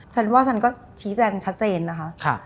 ฉันว่าฉันก็ชี้แจงชัดเจนนะคะ